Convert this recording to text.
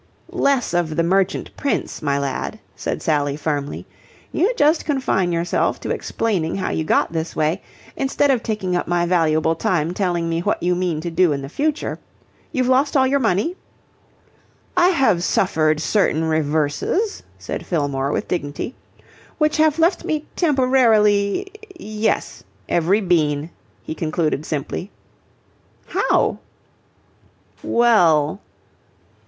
"Less of the Merchant Prince, my lad," said Sally, firmly. "You just confine yourself to explaining how you got this way, instead of taking up my valuable time telling me what you mean to do in the future. You've lost all your money?" "I have suffered certain reverses," said Fillmore, with dignity, "which have left me temporarily... Yes, every bean," he concluded simply. "How?" "Well..."